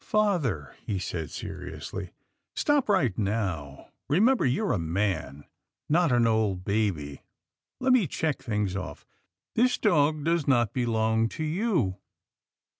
" Father," he said seriously, " stop right there. Re member you are a man, not an old baby. Let me check things off — this dog does not belong to you?"